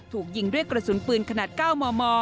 ถูกยิงด้วยกระสุนปืนขนาด๙มม